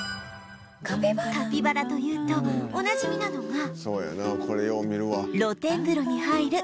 カピバラというとおなじみなのが露天風呂に入る